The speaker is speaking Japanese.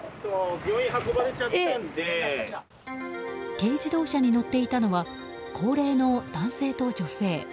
軽自動車に乗っていたのは高齢の男性と女性。